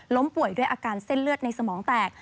ป่วยด้วยอาการเส้นเลือดในสมองแตก